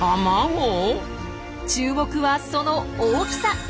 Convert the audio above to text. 注目はその大きさ。